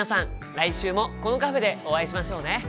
来週もこのカフェでお会いしましょうね。